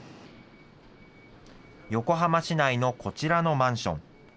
横浜市内のこちらのマンション。